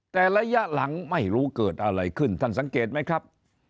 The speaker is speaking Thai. แต่ระยะหลังไม่รู้เกิดอะไรขึ้นท่านสังเกตไหมครับ